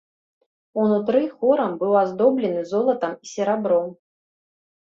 Унутры хорам быў аздоблены золатам і серабром.